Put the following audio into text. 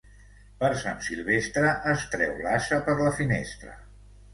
Per Sant Silvestre es treu l'ase per la finestra.